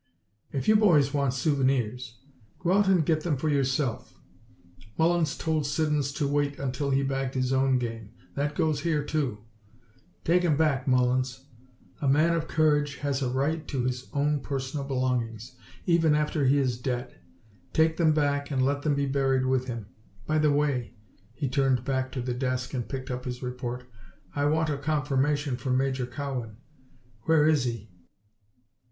"If you boys want souvenirs, go out and get them for yourself. Mullins told Siddons to wait until he bagged his own game. That goes here, too. Take 'em back, Mullins. A man of courage has a right to his personal belongings even after he is dead. Take them back and let them be buried with him. By the way," he turned back to the desk and picked up his report, "I want a confirmation from Major Cowan. Where is he?"